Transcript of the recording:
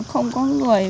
không có người